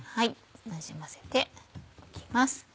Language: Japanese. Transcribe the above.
なじませておきます。